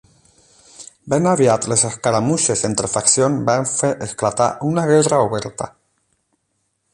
Ben aviat les escaramusses entre faccions van fer esclatar una guerra oberta.